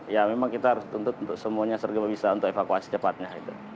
ya memang kita harus tuntut untuk semuanya serga bisa untuk evakuasi cepatnya